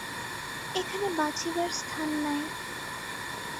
এখানে বাঁচিবার স্থান নাই।